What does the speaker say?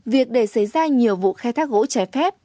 việc để xảy ra nhiều vụ khai thác gỗ trái phép